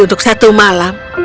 untuk satu malam